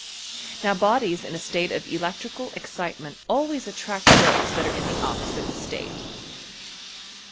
Now bodies in a state of dec trical eKciteraent always attract those that are in the opposite state.